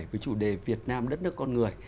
với chủ đề việt nam đất nước con người